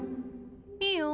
いいよ。